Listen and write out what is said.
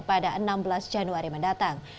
pada enam belas januari mendatang